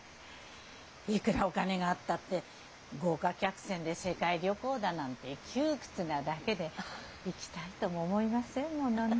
いくらお金があったって豪華客船で世界旅行だなんて窮屈なだけで行きたいとも思いませんものね。